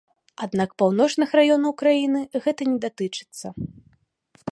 Аднак паўночных раёнаў краіны гэта не датычыцца.